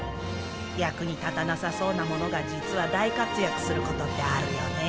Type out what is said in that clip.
役に立たなさそうなものが実は大活躍することってあるよね。